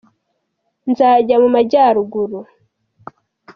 nzajya mumajyaruguru